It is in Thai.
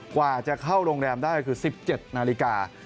กว่าจะเข้าโรงแรมได้คือ๑๗นาฬิกา